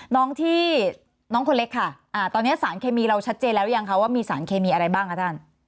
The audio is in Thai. น้องที่น้องคนเล็กค่ะตอนนี้สารเคมีเราชัดเจนแล้วยังคะว่ามีสารเคมีอะไรบ้างคะท่าน